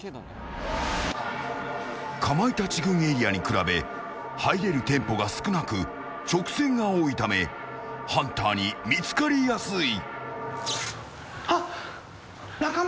かまいたち軍エリアに比べ入れる店舗が少なく直線が多いためハンターに見つかりやすい。